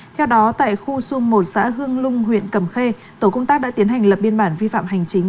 theo đó tại khu xung một xã hương lung huyện cầm khê tổ công tác đã tiến hành lập biên bản vi phạm hành chính